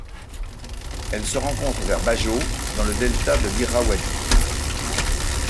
Elle se rencontre vers Bajo dans le delta de l'Irrawaddy.